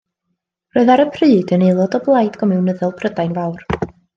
Roedd ar y pryd yn aelod o Blaid Gomiwnyddol Prydain Fawr.